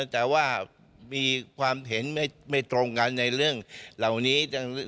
แต่ว่ามีความเห็นไม่ตรงกันในเรื่องเหล่านี้